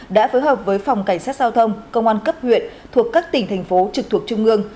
đã phối hợp với phòng cảnh sát giao thông công an cấp huyện thuộc các tỉnh thành phố trực thuộc trung ương